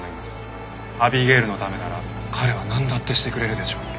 アビゲイルのためなら彼はなんだってしてくれるでしょう。